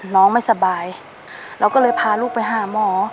ไม่สบายเราก็เลยพาลูกไปหาหมอ